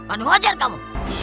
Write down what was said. aduh ajar kamu